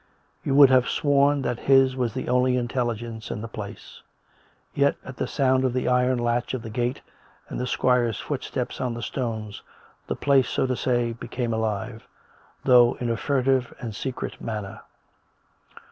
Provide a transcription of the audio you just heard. You would have sworn that his was the only intelligence in the place. Yet at the sound of the iron latch of the gate and the squire's footsteps on the stones, the place, so to say, became alive, though in a furtive and secret manner.